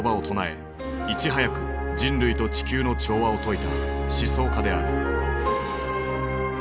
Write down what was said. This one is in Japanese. いち早く人類と地球の調和を説いた思想家である。